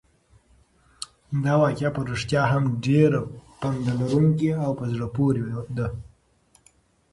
دا واقعه په رښتیا هم ډېره پنده لرونکې او په زړه پورې ده.